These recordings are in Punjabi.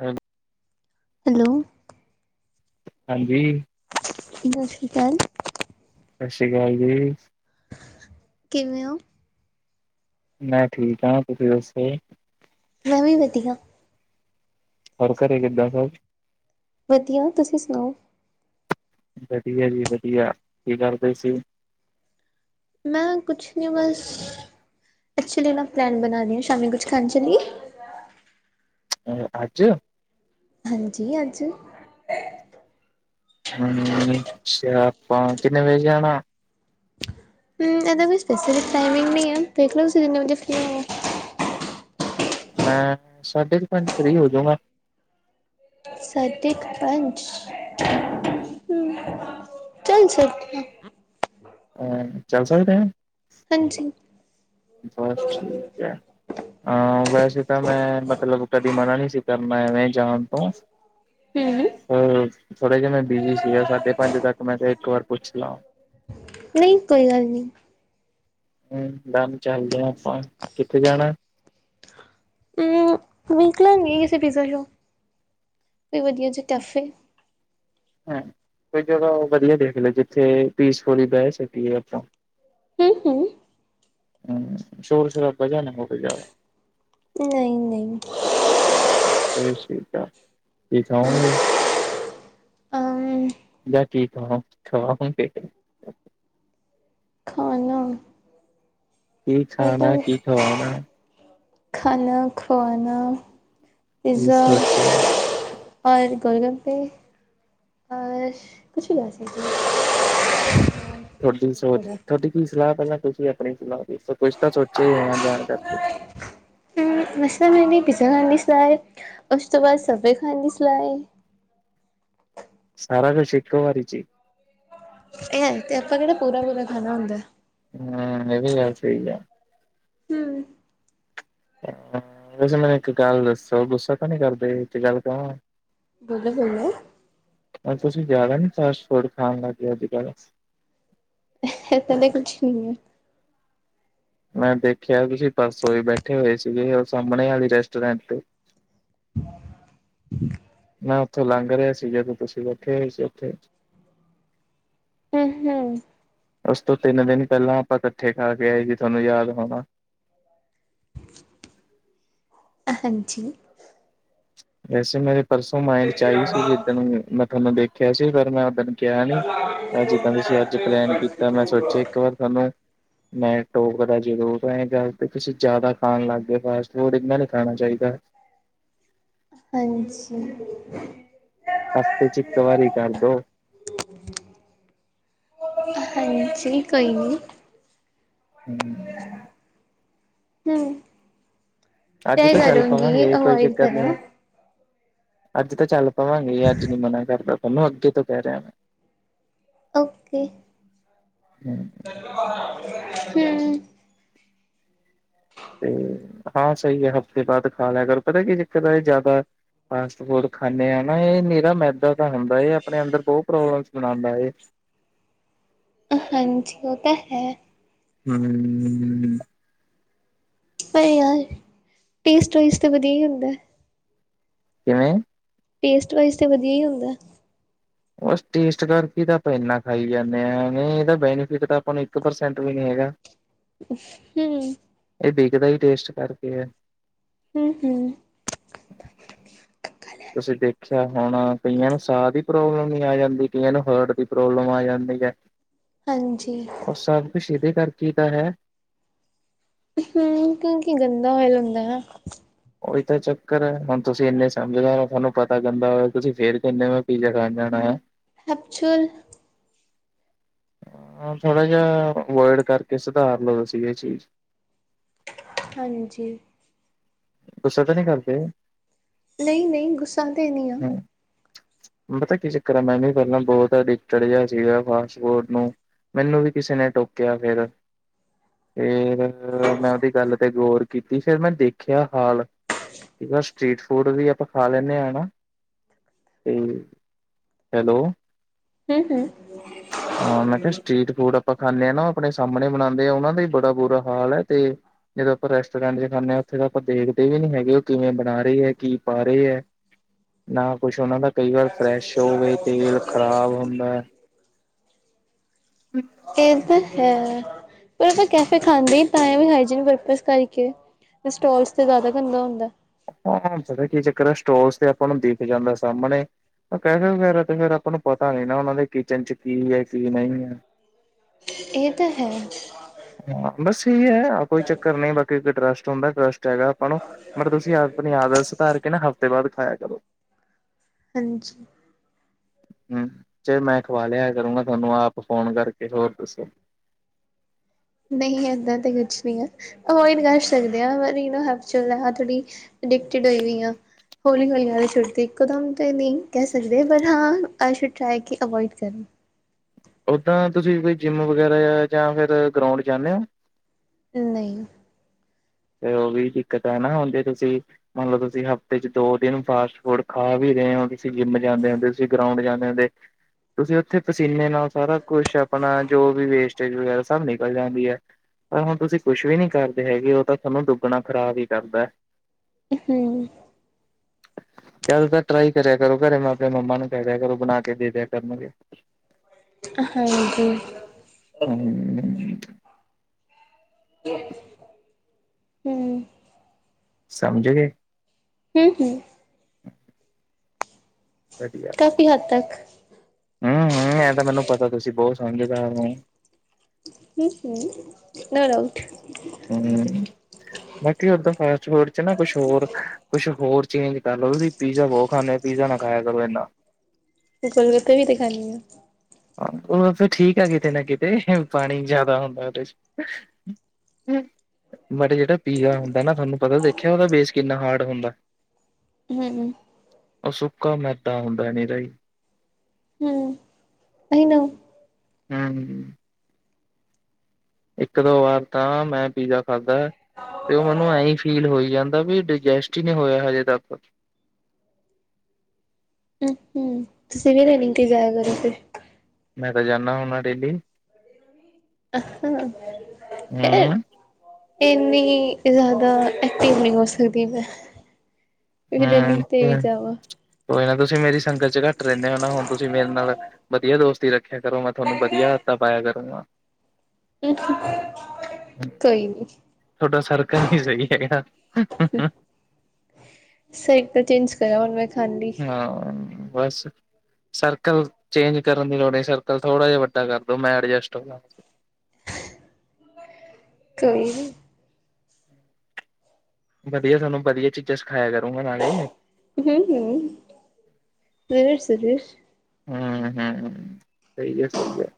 ਹੈ [inaudible] ਹੈਲੋ। ਹਾਂਜੀ। ਸਸ ਸ਼੍ਰੀ ਕਾਲ।। ਸਸ ਰੀ ਕਾਲ ਜੀ। ਕਿਵੇਂ ਓ। ਮੈਂ ਠੀਕ ਆਂ ਤੁਸੀਂ ਦੱਸੋ। ਮੈਂ ਵੀ ਵਧੀਆ। ਹੋਰ ਘਰੇ ਕਿੱਦਾ ਸਭ ਵਧੀਆ ਤੁਸੀਂ ਸੁਨਾਓ। ਵਧੀਆ ਜੀ ਵਧੀਆ ਕੀ ਕਰਦੇ ਸੀ। ਮੈਂ ਕੁਛ ਨੀ ਬਸ, ਐਕਚੁਲੀ ਨਾ ਪਲੈਨ ਬਨਾ ਰੀ ਆਂ, ਸ਼ਾਮੀ ਕੁਛ ਖਾਨ ਚਲਈਏ। ਅ ਆਜ। ਹਾਂਜੀ ਅੱਜ। ਹੂੰ ਅਛਾ ਆਪਾਂ ਕਿਨੇ ਵਜੇ ਜਾਣੈ? ਹੂੰ ਇਦੇ ਵਿਚ ਕੋਈ ਟਾਈਮਿੰਗ ਨੀ ਏ, ਦੇਖਲੋ ਤੁਸੀ ਕਿੰਨੇ ਵਜੇ ਫਰੀ ਹੋਵੋ। ਮੈਂ ਸਾਢੇ ਕੁ ਪੰਜ ਫ੍ਰੀ ਹੋ ਜਊਗਾ। ਸਾਢੇ ਕ ਪੰੰਜ, ਹਾਂ, ਹ ਚਲ ਛਡ, [inaudible] ਅ ਚੱਲ ਸਕਦੇ ਆ। ਹਾਂਜੀ, ਬਸ ਠੀਕ ਹੈ, ਅ ਵੈਸੇ ਤਾਂ ਮੈਂ ਮਤਲਬ ਕਦੀ ਮਨਾ ਨਹੀਂ ਸੀ ਕਰਨਾ ਐਵੇ ਜਾਣ ਤੋਂ ਹਮ ਅ ਥੋੜੇ ਜਾ ਮੈਂ ਬਿਜੀ ਸੀਗਾ ਸਾਢੇ ਪੰਜ ਤੱਕ ਮੈਂ ਤੇ ਇੱਕ ਵਾਰ ਪੁੱਛ ਲਾ। ਨਹੀਂ ਕੋਈ ਗੱਲ ਨਹੀਂ। ਹੂ ਮੈਮ ਚੱਲਦੇ ਹ ਆਪਾਂ ਕਿੱਥੇ ਜਾਣਾ। ਊ ਵੇਖ ਲਾਂਗੇ ਕਿਸੇ ਪੀਜ਼ਾ ਸ਼ੋਪ ਕੋਈ ਵਧੀਆ ਜੀ ਕੈਫੇ। ਹ ਕੋਈ ਜਗ੍ਹਾ ਉਹ ਵਧੀਆ ਦੇਖ ਲੋ ਜਿੱਥੇ ਪੀਸਫੁਲੀ ਬਹਿ ਸਕੀਏ ਆਪਾਂ ਥੇਨਕੁ ਹਾਂਜੀ ਸ਼ੋਰ ਸ਼ਰਾਬਾ ਜੀਹਾ ਨਹੀ ਮੁਕਦਾ, ਨਹੀਂ, ਨਹੀਂ। ਫਿਰ ਠੀਕ ਆ ਕੀ ਖਾਉਗੇ। ਅਮ ਯਾ ਚੀਜ ਕੋਨ ਖਾਵਾਂਗੇ ਇੱਕ ਇੱਕ, ਖਾਣਾ ਕੀ ਖਾਣਾ ਕੀ ਖਵਾਣਾ, ਖਾਣਾ ਖਵਾਣਾ ਕੀ ਪੀਜ਼ਾ, ਸੋਚਿਆ ਔਰ ਗੋਲ ਗੱਪੇਏ, ਔਰ ਕੁਛ ਵੇਸੈ ਵੀ, ਤੁਹਾਡੀ ਸੋਚ ਤੁਹਾਡੀ ਕੀ ਸਲਾਹ ਪਹਿਲਾਂ ਤੁਸੀਂ ਆਪਣੀ ਸਲਾਹ ਦੱਸੋ ਕੁਛ ਤਾਂ ਸੋਚਿਆ ਹੀ ਹੋਣਾ ਜਾਣ ਕਰਕੇ, [inaudible] ਮਸਾ ਤਾਂ ਮੈੇ ਪੀਜ਼ਾ ਖਾਣ ਦੀ ਸਲਾਹ ਏ ਉਸ ਤੋਂ ਬਾਅਦ ਸਬੇ ਖਾਂਣ ਦੀ ਸਲਾਹ ਏ, ਸਾਰਾ ਕੁਛ ਇੱਕੋ ਵਾਰੀ ਚੀ, ਇਹ ਤੇ ਆਪਾਂ ਕਿਹੜਾ ਪੂਰਾ ਪੂਰਾ ਖਾਣਾ ਹੁੰਦਾ। ਹਮ ਇਹਵੀ ਗੱਲ ਸਹੀ ਆ। ਹਮ। ਆ ਵੈਸੇ ਮੈਨੂੰ ਇੱਕ ਗੱਲ ਦੱਸੋ ਗੁੱਸਾ ਤਾਂ ਨੀ ਕਰਦੇ ਤੇ ਇਕ ਗੱਲ ਕਵਾ, ਬੋਲੋ, ਬੋਲੋ ਹੁਣ ਤੁਸੀਂ ਜ਼ਿਆਦਾ ਨੀ ਫਾਸਟ ਫੂਡ ਖਾਣ ਲੱਗ ਗਏ ਅੱਜ ਕੱਲ੍ਹ, ਕਿਹਣਦੇ ਕੁਛ ਨਹੀਂ ਐ, ਮੈਂ ਦੇਖਿਆ ਤੁਸੀ ਪਰਸੋ ਵੀ ਬੈਠੇ ਹੋਏ ਸੀਗੇ ਉਹ ਸਾਹਮਣੇ ਆਲੇ ਰੈਸਟੋਰੈਂਟ ਤੇ, [inaudible] ਮੈਂ ਉੱਥੋਂ ਲੰਘ ਰਿਹਾ ਸੀ ਜਦੋਂ ਤੁਸੀਂ ਬੈਠੇ ਹੋਏ ਸੀ ਉੱਥੇ। ਹਮ, ਹਮ ਉਸ ਤੋਂ ਤਿੰਨ ਦਿਨ ਪਹਿਲਾਂ ਆਪਾਂ ਕੱਠੇ ਖਾ ਕੇ ਆਏ ਸੀ ਥੋਨੂੰ ਯਾਦ ਹੋਣਾ। ਹਾਂਜੀ, ਵੈਸੇ ਮੇਰੇ ਪਰਸੋਂ ਮਾਇੰਡ ਚ ਹਾਂਜੀ ਆਈ ਸੀ ਜਿੱਦਣ ਮੈਂ ਤੁਹਾਨੂੰ ਦੇਖਿਆ ਸੀ ਪਰ ਮੈਂ ਉਦਣ, ਕਿਹਾ ਨੀ ਅਜ ਜਿੱਦਾਂ ਤੁਸੀਂ ਅੱਜ ਪਲੈਨ ਕੀਤਾ ਮੈਂ ਸੋਚਿਆ ਇੱਕ ਵਾਰ ਥੋਨੂੰ, ਮੈਂ ਟੋਕਦਾ ਜਰੂਰ ਹੈਗਾ ਤਾਂ ਇਹ ਗੱਲ ਤੁਸੀਂ ਜ਼ਿਆਦਾ ਖਾਣ ਲੱਗ ਗਏ ਫਾਸਟ ਫੂਡ ਇਨਾ ਨੀ ਖਾਣਾ ਚਾਹੀਦਾ ਆ। ਹਾਂਜੀ। ਹਫਤੇ ਚ ਇੱਕ ਵਾਰੀ ਕਰਦੋ। ਹਾਂਜੀ, ਕੋਈ ਨੀ। ਹਮ। ਹਮ। ਤੇ ਅੱਜ ਤਾਂ ਚੱਲ ਕਰੂੰਗੀ ਪਵਾਂਗੇ ਕੋਈ ਅਵੋਇਡ ਚੱਕਰ ਕਰਾਂ। ਨੀ। ਅੱਜ ਤਾਂ ਚੱਲ ਪਵਾਂਗੇ, ਅੱਜ ਨੀ ਮਨਾ ਕਰਦਾ ਤੈਨੂੰ ਅੱਗੇ ਤੋਂ ਕਹਿ ਰਿਹਾ ਮੈਂ। ਓਕੇ, ਹਮ। ਤੇ ਆ ਸਹੀ ਐ, ਹਫ਼ਤੇ ਬਾਅਦ ਖਾ ਲਿਆ ਕਰ ਪਤਾ ਕੀ ਚੱਕਰ ਐ ਏ ਜ਼ਿਆਦਾ। ਫਾਸਟ-ਫੂਡ ਖਾਂਨੇ ਆ ਨਾ ਇਹ ਨਿਰਾ ਮੈਦਾ। ਮੈਦਾ ਹੁੰਦਾ, ਏ ਆਪਣੇ ਅੰਦਰ ਬਹੁਤ ਪ੍ਰੋਬਲਮਸ ਬਣਾਂਦਾ ਏ। ਹਾਂਜੀ, ਉ ਤਾਂ ਹੈ। ਹਮ। ਪਰ ਯਾਰ, ਟੇਸਟ ਵਾਈਜ਼ ਤੇ ਵਧੀਆ ਈ ਹੁੰਦਾ ਐ। ਕਿਵੇਂ। ਟੇਸਟ ਵਾਈਜ਼ ਤੇ ਵਧੀਆ ਈ ਹੁੰਦਾ ਐ। ਬਸ ਟੇਸਟ ਕਰਕੇ ਤਾਂ ਆਪਾਂ ਇੰਨਾ ਖਾਈ ਜਾਂਣੇ ਆਂ ਐਵੇਂ, ਇਦਾ ਬੈਨੀਫਿਟ ਤਾਂ ਆਪਾਂ ਨੂੰ ਇੱਕ ਪਰਸੈਂਟ ਵੀ ਨੀ ਹੈਗਾ। ਹਮ। ਇਹ ਬਿਕਦਾ ਈ ਟੇਸਟ ਕਰਕੇ ਐ। ਹਮ ਹਮ। ਤੁਸੀਂ ਦੇਖਿਆ ਹੋਣਾ ਕਈਆਂ ਨੂੰ ਸਾਹ ਦੀ ਪ੍ਰੋਬਲਮ ਵੀ ਆ ਜਾਂਦੀ, ਕਈਆਂ ਨੂੰ ਹਾਰਟ ਦੀ ਪ੍ਰੋਬਲਮ ਆ ਜਾਂਦੀ ਐ। ਹਾਂਜੀ। ਸਭ ਕੁਛ ਇਹਦੇ ਕਰਕੇ ਤਾਂ ਹੈ। ਹਮ ਕਿਉਂਕਿ ਗੰਦਾ [unintelligible] ਹੁੰਦਾ ਹੈ। ਉਹੀ ਤਾਂ ਚੱਕਰ ਐ, ਹੁਣ ਤੁਸੀਂ ਇੰਨੇ ਸਮਝਦਾਰ ਹੋ ਤੁਹਾਨੂੰ ਪਤਾ ਗੰਦਾ ਹੋ, ਤੁਸੀਂ ਫੇਰ ਕਿਹਿਨੇ ਹੋ ਮੈ ਪੀਜ਼ਾ ਖਾਣ ਜਾਣਾ ਆ। ਹੈਬਚੁਅਲ। ਹਾਂ ਥੋੜਾ ਜਿਹਾ ਅਵੋਇਡ ਕਰਕੇ ਸੁਧਾਰ ਲਓ ਤੁਸੀਂ ਏ ਚੀਜ਼ ਹਾਂਜੀ। ਗੁੱਸਾ ਤਾਂ ਨੀਂ ਕਰਦੇ। ਨਈਂ-ਨਈਂ ਗੁੱਸਾ ਤੇ ਨੀ ਆਂ। ਹੂੰ ਪਤਾ ਕੀ ਚੱਕਰ ਆ ਮੈਂ ਵੀ ਪਹਿਲਾਂ ਬਹੁਤ ਅਡਿਕਟਡ ਜਹਾ ਸੀਗਾ ਫਾਸਟ ਫੂਡ ਨੂੰ ਮੈਨੂੰ ਵੀ ਕਿਸੇ ਨੇ ਟੋਕਿਆ ਫੇਰ। ਫੇਰ ਮੈਂ ਉਹਦੀ ਗੱਲ ਤੇ ਗੌਰ ਕੀਤੀ ਫੇਰ ਮੈਂ ਦੇਖ। ਖਿਅਆ ਹਾਲ, ਜਿਹੜਾ ਸਟ੍ਰਰੀਟ ਫੂਡ ਵੀ ਆਪਾਂ ਖਾ ਲੈਂਨੇ ਆ ਨਾ। ਤੇ, ਹੈਲੋ। ਹਮ- ਹਮ। ਹਾਂ ਮੈਂ ਕਿਹਾ ਸਟ੍ਰਰੀਟ ਫੂਡ ਆਪਾਂ ਖਾਂਨੇ ਆ ਨਾ ਆਪਣੇ ਸਾਹਮਣੇ ਬਣਾਂਦੇ ਆ, ਉਹਨਾਂ ਦਾ ਈ ਬੜਾ ਬੁਰਾ ਹਾਲ ਐ ਤੇ। ਜਦੋਂ ਆਪਾਂ ਰੈਸਟੋਰਟ ਚ ਖਾਨੇ ਆ। ਉੱਥੇ ਤਾਂ ਆਪਾਂ ਦੇਖਦੇ ਵੀ ਨੀ ਹੈਗੇ, ਉਹ ਕਿਵੇਂ ਬਣਾ ਰਹੇ ਹੈ, ਕੀ ਪਾ ਰਹੇ ਐ, ਨਾ ਕੁਛ ਉਹਨਾਂ ਦਾ ਕਈ ਵਾਰ ਫਰੈਸ਼ ਹੋਵੇ ਤੇਲ ਖ਼ਰਾਬ ਹੁੰਦਾ ਐ। [inaudible] ਏ ਤਾਂ ਹੈ ਪਰ ਮੈ ਕੈਫੇ ਖਾਂਦੀ ਤਾਂ ਵੀ ਹਾਈਜੀਨ ਪਰਪਸ ਕਰਕੇ, ਸਟੌਲਸ ਤੇ ਜ਼ਿਆਦਾ ਗੰਦਾ ਹੁੰਦਾ ਐ। ਹਾਂ ਪਤਾ ਕੀ ਚੱਕਰ ਹੈ ਸਟੌਲਸ ਤੇ ਆਪਾਂ ਨੂੰ ਦਿਖ ਜਾਂਦਾ ਸਾਹਮਣੇ। ਕੈਫੇ ਵਗੈਰਾ ਤੇ ਫੇਰ ਆਪਾਂ ਨੂੰ ਪਤਾ ਨੀ ਨਾ ਉਹਨਾਂ ਦੇ ਕਿਚਨ ਚ ਕੀ ਐ ਕੀ ਨਈਂ ਐ। ਇਹ ਤਾਂ ਹੈ। ਹਾਂ ਬਸ ਇਹੀ ਹੈ ਆਹ ਕੋਈ ਚੱਕਰ ਨਹੀਂ ਬਾਕੀ ਇੱਕ ਟਰੱਸਟ ਹੁੰਦਾ ਟਰੱਸਟ ਹੈਗਾ ਭਣੋ ਮਤਲਬ ਤੁਸੀਂ ਆਪ ਆਪਣੀ ਆਦਤ ਸਧਾਰ ਕੇ ਨਾ ਹਫ਼ਤੇ ਬਾਦ ਖਾਇਆ ਕਰੋ। ਹਾਂਜੀ। ਹੂੰ ਚਾਏ ਮੈਂ ਖਵਾ ਲਿਆ ਕਰੂੰਗਾ, ਤੁਆਨੂੰ ਆਪ ਫੋਨ ਕਰਕੇ ਹੋਰ ਦੱਸੋ। ਨਹੀਂ ਏਦਾਂ ਤੇ ਕੁਛ ਨੀ ਆ। ਅਵੋਇਡ ਕਰ ਸਕਦੇ ਆਂ ਯੂ ਨੋ ਹਬਚੂਅਲ ਆ ਥੋੜੀ ਅਡਿਕਟ ਹੋਈ ਓਈੰ ਆਂ। ਹੌਲੀ ਹੌਲੀ ਆਦਤ ਛੁੱਟ ਦੀ ਇੱਕੋਦਮ ਤੇ ਨਈ ਕੈ ਸਕਦੇ, ਪਰ ਹਾਂ ਅਈ ਛੁਡ ਟਰਾਈ ਕੀ ਅਵੋਇਡ ਕਰਾਂ। ਓਦਾਂ ਤੁਸੀਂ ਕੋਈ ਜਿੰਮ ਵਗੈਰਾ ਆ ਜਾਂ ਫਿਰ ਗਰਾਉਂਡ ਜਾਂਨੇ ਓ। ਨਈ। ਤੇ ਓ ਵੀ ਦਿੱਕਤ ਐ ਨਾ ਹੁੰਦੇ ਤੁਸੀਂ। ਮਨ ਲੋ ਤੁਸੀਂ ਹਫ਼ਤੇ 'ਚ ਦੋ ਦਿਨ ਫਾਸਟ ਫੂਡ ਖਾ ਵੀ ਰਏ ਓ, ਤੁਸੀਂ ਜਿੰਮ ਜਾਂਦੇ ਹੁੰਦੇ ਤੁਸੀਂ ਗਰਾਉਂਡ ਜਾਂਦੇ ਹੁੰਦੇ ਤੁਸੀਂ ਓਥੇ ਪਸੀਨੇ ਨਾਲ ਸਾਰਾ ਕੁਛ ਆਪਣਾ ਜੋ ਵੀ ਵੇਸਟਜ ਵਗੇਰਾ ਸਭ ਨਿਕਲ ਜਾਂਦੀ ਐ। ਆ ਹੁਣ ਤੁਸੀਂ ਕੁਛ ਵੀ ਨੀ ਕਰਦੇ ਹੈਗੇ, ਓ ਤਾਂ ਤੁਆਨੂੰ ਦੁੱਗਣਾ ਖ਼ਰਾਬ ਈ ਕਰਦਾ। ਹੂੰ। ਜਾਦਾ ਤਰ ਟਰਾਈ ਕਰਿਆ ਕਰੋ ਘਰੇ ਮੈਂ ਆਪਣੇ ਮੰਮਾ ਨੂੰ ਕੈ ਦਿਆ ਕਰੋ ਬਣਾ ਕੇ ਦੇ ਦਿਆ ਕਰਨਗੇ। ਹਾਂਜੀ। [inaudible] ਹੂੰ ਸਮਝ ਗੇ। ਹੂੰ-ਹੂੰ। [inaudible] ਵਧੀਆ ਕਾਫੀ ਵਧੀਆ ਹੱਦ ਤੱਕ ਹੂੰ ਹੂੰ ਐਂ ਤਾਂ ਪਤਾ ਤੁਸੀਂ ਬੋਤ ਸਮਝਦਾਰ ਓ। ਹੂੰਹੂੰ-ਨੋ ਡਾਊਟ। [unintelligible] ਬਾਕੀ ਓਦਾਂ ਫਾਸਟ ਫੂਡ 'ਚ ਨਾ ਕੁਛ ਹੋਰ ਕੁਛ ਹੋਰ ਚੇਂਜ ਕਰ ਲੋ ਤੁਸੀਂ। ਪੀਜ਼ਾ ਬੋਤ ਖਾਂਣੇ, ਪੀਜ਼ਾ ਨਾ ਖਾਇਆ ਕਰੋ ਏਨਾ। ਤੇ ਚਲੋ ਓਥੇ ਵੀ ਤੇ ਖਾਂਣੀ ਆਂ। ਹਾਂ ਓ ਵੇ ਫੇਰ ਠੀਕ ਆ ਕਿਤੇ ਨਾ ਕਿਤੇ ਪਾਣੀ ਜਾਦਾ ਹੁੰਦਾ ਓਦੇ 'ਚ। ਹੂੰ ਮਤੇ ਜੜਾ ਪੀਜ਼ਾ ਹੁੰਦਾ ਨਾ ਥੋਨੂੰ ਪਤਾ ਦੇਖਿਆ ਓਦਾ ਬੇਸ ਕਿੰਨਾ ਹਾਰਡ ਹੁੰਦਾ। ਹੂੰ ਓ ਸੁੱਕਾ ਮੈਦਾ ਹੁੰਦਾ ਨਿਰਾ ਈ। ਹੂੰ [unintelligible] ਹੂੰਅ ਇੱਕ ਦੋ ਵਾਰ ਤਾਂ ਮੈਂ ਪੀਜ਼ਾ ਖਾਧਾ। ਤੇ ਓ ਮੈਨੂੰ ਐਂਈੰ ਫੀਲ ਹੋਈ ਜਾਂਦਾ ਵੀ ਡਾਇਜੈਸਟ ਈ ਨੀ ਹੋਇਆ ਹਜੇ ਤੱਕ। ਊੰ ਹੂੰ ਤੁਸੀਂ ਵੀ ਰਨਿੰਗ ਤੇ ਜਾਇਆ ਕਰੋ ਫੇਰ। ਮੈਂ ਤਾਂ ਜਾਂਨਾ ਹੁੰਨਾ ਡੇਲੀ। [unintelligible] ਏਨੀ ਜ਼ਾਦਾ ਐਕਟਿਵ ਨੀ ਹੋ ਸਕਦੀ ਮੈਂ। ਫਿਰ ਰਨਿੰਗ ਤੇ ਵੀ ਹੂੰ-ਹੂੰ ਜਾਵਾਂ। ਕੋਈ ਨਾ ਤੁਸੀਂ ਮੇਰੀ ਸੰਗਤ 'ਚ ਘੱਟ ਰੈਣੇ ਓ ਨਾ, ਹੁਣ ਤੁਸੀਂ ਮੇਰੇ ਨਾਲ ਵਧੀਆ ਦੋਸਤੀ ਰੱਖ ਰੱਖਿਆ ਕਰੋ, ਮੈਂ ਥੋਨੂੰ ਵਧੀਆ ਆਦਤਾਂ ਪਾਇਆ ਕਰੂੰਗਾ। ਕੋਈ ਨੀ। ਥੋਡਾ ਸਰਕਲ ਨੀ ਸਈ ਹੈਗਾ। [unintelligible] ਚੇਂਜ [unintelligible] ਮੈਂ ਖਾਂਦੀ। ਨਾ, ਬਸ। ਸਰਕਲ ਚੇਂਜ ਕਰਨ ਦੀ ਲੋੜ ਨੀ ਸਰਕਲ ਥੋੜਾ ਜਾ ਵੱਡਾ ਕਰਦੋ ਮੈਂ ਅਡਜੈਸਟ ਹੋਜਾ। ਕੋਈ ਨੀ। ਵਧੀਆ ਥੋਨੂੰ ਵਧੀਆ ਚੀਜ਼ਾਂ ਸਿਖਾਇਆ ਕਰੂੰਗਾ ਨਾਲੇ। ਹਮ ਹਮ ਸੀਰਸ਼ ਸੀਰਸ਼। ਹਮ ਹਮ ਸਈ ਐ ਸਈ ਐ।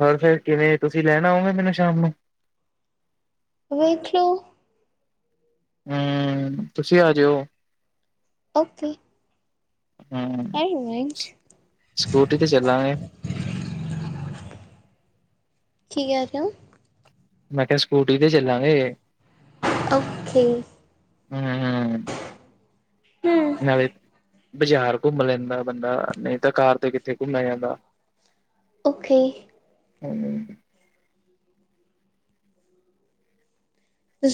ਹੋਰ ਫਿਰ ਕਿਵੇਂ? ਤੁਸੀਂ ਲੈਣ ਆਓਗੇ ਮੈਨੂੰ ਸ਼ਾਮ ਨੂੰ? ਵੇਖੇਔ। ਹਮ ਤੁਸੀਂ ਆ ਜਔ। ਔਕੇ। [unintelligible] ਹੂੰ। ਸਕੂਟੀ ਤੇ ਚੱਲਾਂਗੇ ਕੀ ਕੈ ਰਏ ਔ। ਮੈਂ ਕਿਆ ਸਕੂਟੀ ਤੇ ਚੱਲਾਂਗੇ। ਔਕੇ। ਹਮ ਹਮ ਹੂੰ ਨਾਲੇ ਬਜ਼ਾਰ ਘੁੰਮ ਲੈਂਦਾ ਬੰਦਾ ਨਈ ਤਾਂ ਕਾਰ ਤੇ ਕਿੱਥੇ ਘੁੰਮਿਆ ਜਾਂਦਾ। ਔਕੇ। [unintelligible]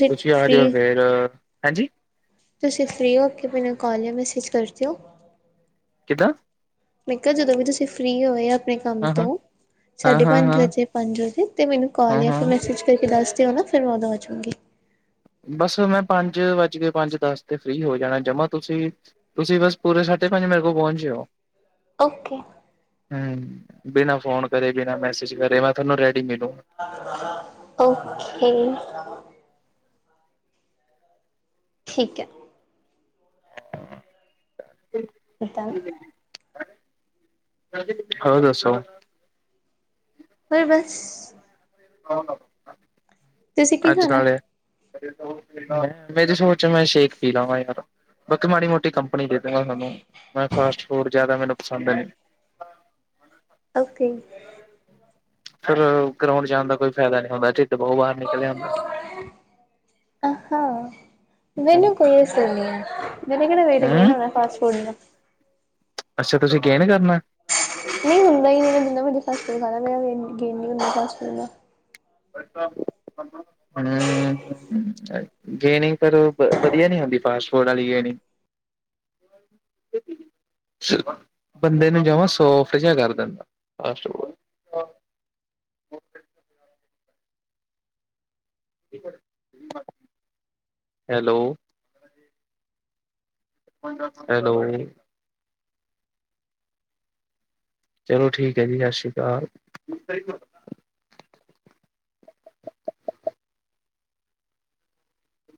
ਤੁਸੀਂ ਆ ਜਓ ਫੇਰ ਹੈਂਜੀ। ਤੁਸੀਂ ਫਰੀ ਹੋ ਕੇ ਮੈਨੂੰ ਕਾਲ ਯਾਂ ਮੈਸੇਜ ਕਰ ਦੇਔ। ਕਿਦਾਂ। ਮੈਂ ਕਿਆ ਜਦੋਂ ਵੀ ਤੁਸੀਂ ਫ੍ਰੀ ਹੋਏ ਆਪਨੇ ਕੰਮ ਹਾਂ ਹਾਂ ਤੋਂ। ਹਾਂ ਸਾਢੇ ਹਾਂ ਪੰਜ ਹਾਂ ਵਜੇ ਪੰਜ ਵਜੇ ਤੇ ਮੈਨੂੰ ਕੋਲ ਹਾਂ ਜਾਂ ਹਾਂ ਫੇਰ ਮੈਸੇਜ ਕਰਕੇ ਦੱਸ ਦਿਓ ਨਾ ਫਿਰ ਮੈਂ ਉਦੋਂ ਆ ਜੂੰਗੀ। ਬਸ ਮੈਂ ਪੰਜ ਵੱਜ ਕੇ ਪੰਜ ਦਸ ਤੇ ਫ੍ਰਰੀ ਹੋ ਜਾਨਾ ਜਮਾ ਤੁਸੀਂ ਤੁਸੀਂ ਬਸ ਪੂਰੇ ਸਾਢੇ ਪੰਜ ਮੇਰੇ ਕੋਲ ਪੋਂਚ ਜਓ। ਔਕੇ। ਹਮ ਬਿਨਾਂ ਫੋਨ ਕਰੇ ਬਿਨਾਂ ਮੈਸੇਜ ਕਰੇ ਮੈਂ ਥੋਨੂੰ ਰੈਡੀ ਮਿਲੂ। ਔਖੇ। ਠੀਕ ਐ। ਏਦਾਂ [unintelligible] ਹੋਰ ਦੱਸੋ। ਓਏ ਬਸ। [unintelligible] ਤੁਸੀਂ ਕੀ ਅੱਜ ਖਾਣਾ? ਨਾਲੇ ਮੇਰੀ ਸੋਚ ਮੈਂ ਛੇਕ ਪੀ ਲਵਾ ਯਾਰ ਪੁੱਤ ਮਾੜੀ ਮੋਟੀ ਕੰਪ ਪਨੀ ਦੇ ਦਾਗਾਂ ਤਾਨੂ ਮੈਂ ਫਾਸਟ ਫੂਡ ਜਿਆਦਾ ਮੈਨੂੰ ਪਸੰਦ ਨੀ। ਔਕੇ। ਫੇਰ ਗਰਾਉਂਡ ਜਾਨ ਦਾ ਕੋਈ ਫੇਦਾ ਨੀ ਹੁੰਦਾ ਢਿੱਡ ਬੋਤ ਬਾਰ ਨਿਕਲ ਆਂਦਾ। ਅਹ ਮੈਨੂੰ ਕੋਈ ਅਸਰ ਨਈ ਐ ਮੈਂਨੇ ਕੇਣਾ ਵੇਟ ਗੇਨ ਹੂੰ ਹੋਨਾ ਫਾਸਟ ਫੂਡ ਨਾਲ। ਅੱਛਾ ਤੁਸੀਂ ਗੇਨ ਕਰਨਾ? ਨਹੀਂ ਹੁੰਦਾ ਈ ਨੀਂ ਮੈਂ ਜਿੰਨਾ ਮਰਜ਼ੀ ਫਾਸਟ ਫੂਡ ਖਾਲਾਂ ਮੇਰਾ ਵੇਟ ਗੇਨ ਨੀਂ ਹੁੰਦਾ ਫਾਸਟ ਫੂਡ ਨਾਲ। ਹਮ। ਗੇਨੀ ਪਰ ਵਧੀਆ ਨੀ ਹੁੰਦੀ ਫਾਸਟ ਫੂਡ ਵਾਲੀ ਗੇਨੀ। ਬੰਦੇ ਨੂੰ ਜਮਾਂ ਸੋਫਟ ਜਿਆ ਕਰ ਦਿੰਦਾ ਫਾਸਟ ਫੂਡ। [unintelligible] ਹੈਲੋ [unintelligible] ਹੈਲੋ ਚਲੋ ਠੀਕ ਹੈ ਜੀ ਸਸ਼ੀ ਕਾਲ।